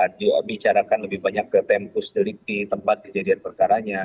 dibicarakan lebih banyak ke tempus delikti tempat kejadian perkaranya